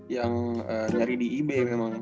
yang nyari di ib memang